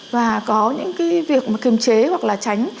và có những cái việc kiểm chế hoặc là tránh